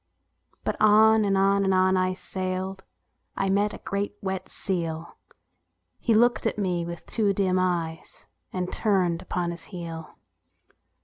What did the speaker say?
But on and on and on I sailed ; I met a great wet seal, He looked at me with two dim eyes, And turned upon his heel.